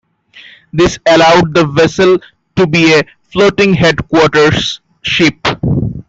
This allowed the vessel to be a floating headquarters ship.